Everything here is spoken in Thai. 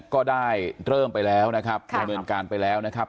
ก็ได้เริ่มไปแล้วนะครับดำเนินการไปแล้วนะครับ